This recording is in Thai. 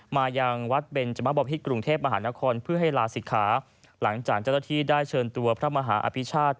มายังวัดเบนจมะบพิษกรุงเทพมหานครเพื่อให้ลาศิกขาหลังจากเจ้าหน้าที่ได้เชิญตัวพระมหาอภิชาติ